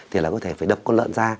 thì là có thể phải đập con lợn ra